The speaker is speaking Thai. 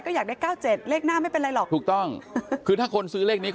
ก็อยากได้เก้าเจ็ดเลขหน้าไม่เป็นไรหรอกถูกต้องคือถ้าคนซื้อเลขนี้